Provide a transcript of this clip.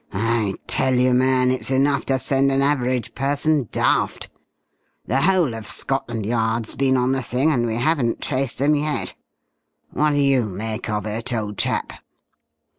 I tell you, man, it's enough to send an average person daft! The whole of Scotland Yard's been on the thing, and we haven't traced 'em yet! What do you make of it, old chap?"